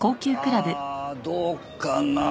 ああどうかな。